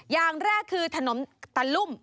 อย่างแรกคือถนนตะลุ่ม